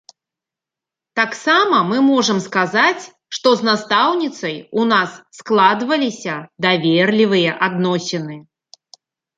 Таксама мы можам сказаць, што з настаўніцай у нас складваліся даверлівыя адносіны.